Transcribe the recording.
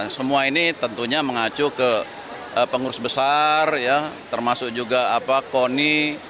semua ini tentunya mengacu ke pengurus besar termasuk juga koni